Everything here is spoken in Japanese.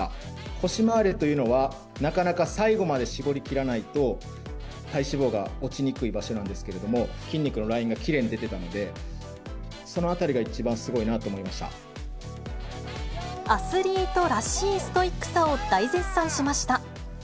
腰回りというのは、なかなか最後まで絞り切らないと体脂肪が落ちにくい場所なんですけど、筋肉のラインがきれいに出てたので、そのあたりが一番すごアスリートらしいストイックさを大絶賛しました。